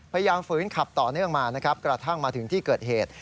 พยายามฝืนขับต่อเนื่องมากระทั่งมาถึงที่เกิดเหตุ